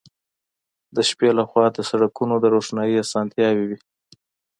د شپې له خوا د سړکونو د روښنايي اسانتیاوې وې